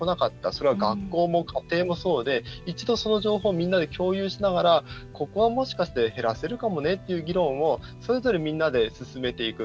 それは学校も家庭もそうで、一度その情報をみんなで共有しながらここはもしかして減らせるかもねという議論をそれぞれみんなで進めていく。